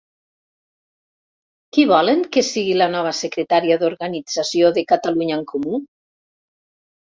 Qui volen que sigui la nova Secretaria d'Organització de Catalunya en Comú?